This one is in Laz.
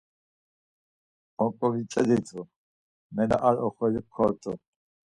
Oǩovitzeditu, mele ar oxori kort̆u.